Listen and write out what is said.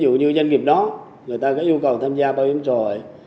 thí dụ như doanh nghiệp đó người ta có yêu cầu tham gia bảo hiểm xã hội